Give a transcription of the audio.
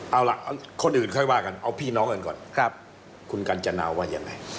เอาล่ะคนอื่นค่อยว่ากันเอาพี่น้องกันก่อนคุณกัญจนาว่ายังไง